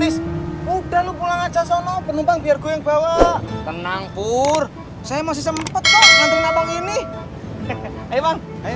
sampai jumpa di video selanjutnya